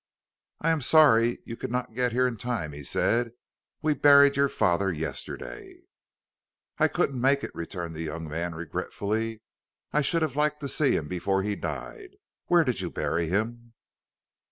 "I am sorry you could not get here in time," he said. "We buried your father yesterday." "I couldn't make it," returned the young man regretfully. "I should have liked to see him before he died. Where did you bury him?"